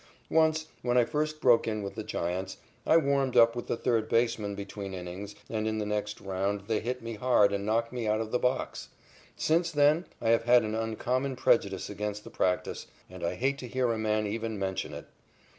Once, when I first broke in with the Giants, I warmed up with the third baseman between innings and in the next round they hit me hard and knocked me out of the box. Since then I have had an uncommon prejudice against the practice, and I hate to hear a man even mention it.